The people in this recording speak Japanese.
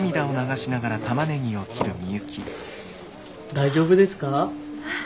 大丈夫ですか？